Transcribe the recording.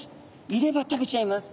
いれば食べちゃいます。